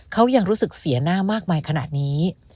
เขายังรู้สึกเสียหน้ามากมายขนาดนี้